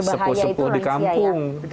sepuh sepuh di kampung